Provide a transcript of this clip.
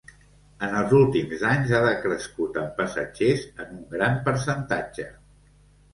En els últims anys, ha decrescut en passatgers en un gran percentatge.